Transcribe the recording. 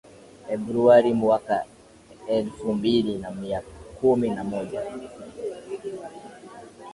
ebruari mwaka elfu mbili na kumi na moja